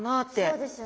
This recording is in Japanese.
そうですよね。